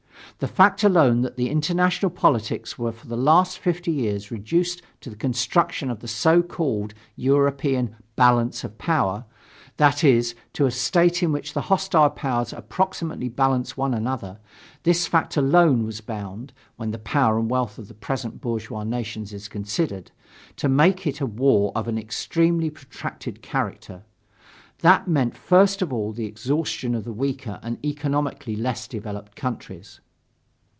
The fact alone that the international politics were for the last fifty years reduced to the construction of the so called European "balance of power," that is, to a state in which the hostile powers approximately balance one another, this fact alone was bound when the power and wealth of the present bourgeois nations is considered to make it a war of an extremely protracted character. That meant first of all the exhaustion of the weaker and economically less developed countries.